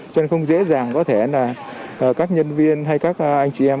cho nên không dễ dàng có thể là các nhân viên hay các anh chị em